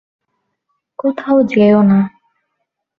কোথাও যেও না।